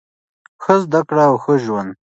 ښه زده کړه او ښه ژوند.